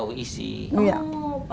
ini jajanan kalau pas